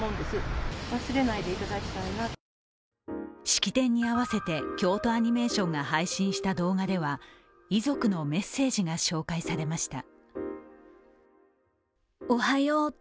式典に合わせて京都アニメーションが配信した動画では遺族のメッセージが紹介されました。